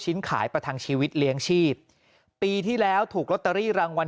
ขายประทังชีวิตเลี้ยงชีพปีที่แล้วถูกลอตเตอรี่รางวัล